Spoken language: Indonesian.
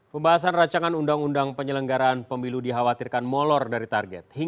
pembahasan rancangan undang undang penyelenggaraan pemilu dikhawatirkan molor dari target